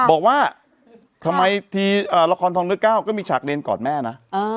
บอกว่าค่ะทำไมทีอ่าละครทคลองเนอร์เก้าก็มีฉากเลนกอดแม่น่ะ